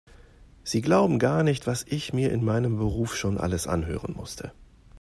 Sie glauben gar nicht, was ich mir in meinem Beruf schon alles anhören musste.